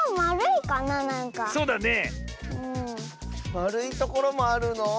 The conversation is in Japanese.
まるいところもあるの？